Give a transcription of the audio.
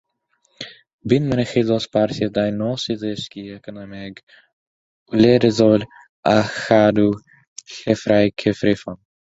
Bu'n mynychu dosbarthiadau nos i ddysgu economeg wleidyddol a chadw llyfrau cyfrifon.